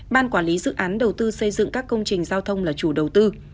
ban quản lý dự án đầu tư xây dựng các công trình giao thông là chủ đầu tư